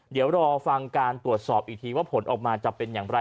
เดี๋ยวรอฟังการตรวจสอบอีกทีว่าผลออกมาจะเป็นอย่างไร